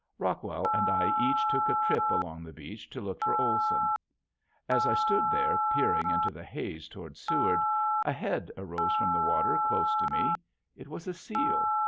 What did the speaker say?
Rockwell and I each took a trip along the beach to look for Olson. As I stood there peering into the haze toward Seward a head arose from the water close to me. It was a seal.